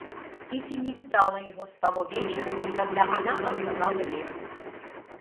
Кити не видала его с того вечера, когда она отказала Левину.